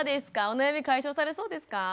お悩み解消されそうですか？